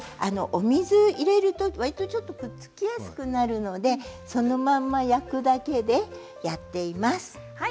お水を入れるとちょっとくっつきやすくなりますので、そのまま焼くだけでやっています。